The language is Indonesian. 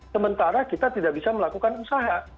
sementara kita tidak bisa melakukan usaha